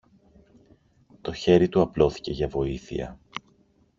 Το χέρι του απλώθηκε για βοήθεια